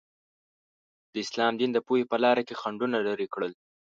د اسلام دین د پوهې په لاره کې خنډونه لرې کړل.